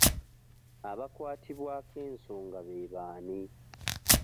Abakwatibwako ensonga be baani?